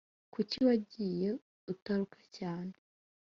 kuki wagiye utaruka cyane